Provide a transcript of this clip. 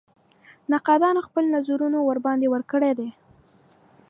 نقادانو خپل نظرونه ورباندې ورکړي دي.